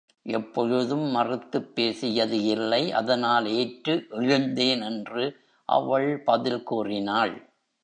எப்பொழுதும் மறுத்துப் பேசியது இல்லை அதனால் ஏற்று எழுந்தேன் என்று அவள் பதில் கூறினாள்.